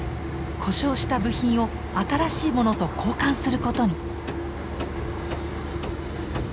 故障した部品を新しいものと交換することに。